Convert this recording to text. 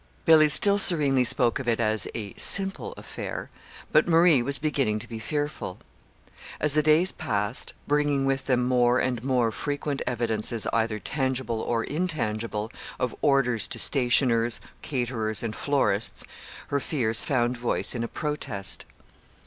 Billy still serenely spoke of it as a "simple affair," but Marie was beginning to be fearful. As the days passed, bringing with them more and more frequent evidences either tangible or intangible of orders to stationers, caterers, and florists, her fears found voice in a protest.